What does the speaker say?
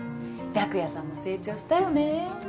白夜さんも成長したよね。